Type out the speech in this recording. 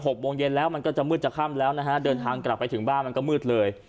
โมงเย็นแล้วมันก็จะมืดจะค่ำแล้วนะฮะเดินทางกลับไปถึงบ้านมันก็มืดเลย